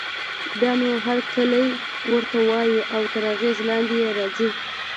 بيا نو هرکلی ورته وايي او تر اغېز لاندې يې راځي.